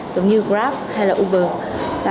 giống như grab hay là uber